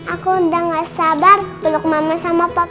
aku udah gak sabar belok mama sama papa